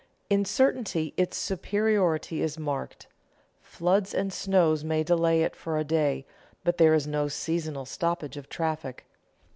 In certainty its superiority is marked; floods and snows may delay it for a day, but there is no seasonal stoppage of traffic.